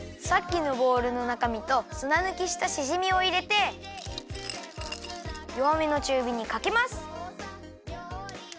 さっきのボウルのなかみとすなぬきしたしじみをいれてよわめのちゅうびにかけます！